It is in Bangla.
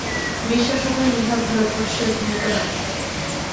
বিশ্বসভায় ইহা ভারতবর্ষের ভূমিকা নয়।